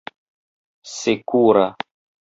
sekura